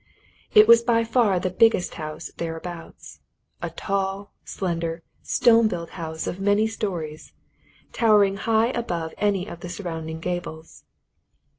It was by far the biggest house thereabouts a tall, slender, stone built house of many stories, towering high above any of the surrounding gables.